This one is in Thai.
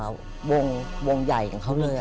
วงใหญ่ของเขาเลย